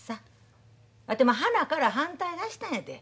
わてはなから反対だしたんやて。